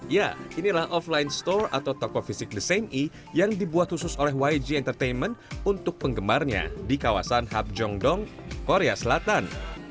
ya inilah offline store atau toko fisik the same e yang dibuat khusus oleh yg entertainment untuk penggemarnya di kawasan hap jongdong korea selatan